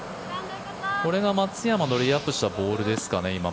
これが松山のレイアップしたボールですかね。